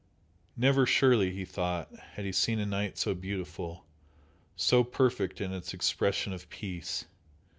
Never surely, he thought, had he seen a night so beautiful, so perfect in its expression of peace.